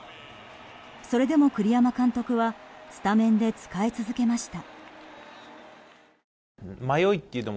それでも栗山監督はスタメンで使い続けました。